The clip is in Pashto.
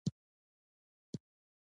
مرکې د پښتو مهم کتابونه چاپ کړل.